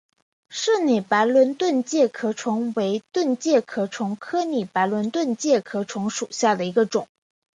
柿拟白轮盾介壳虫为盾介壳虫科拟白轮盾介壳虫属下的一个种。